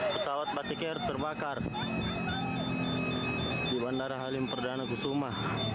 pesawat batik air terbakar di bandara halim perdana kusuma